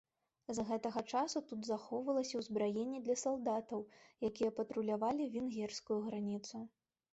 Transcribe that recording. З гэтага часу тут захоўвалася ўзбраенне для салдатаў, якія патрулявалі венгерскую граніцу.